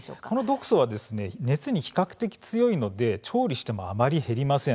毒素は熱に比較的強いので調理してもあまり減りません。